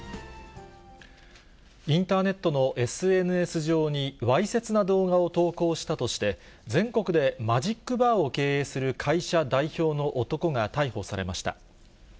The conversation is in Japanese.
インターネットのＳＮＳ上にわいせつな動画を投稿したとして、全国でマジックバーを経営する会社代表の男が逮捕されました。